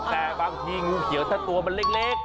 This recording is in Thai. แต่บางทีงูเขียวถ้าตัวมันเล็ก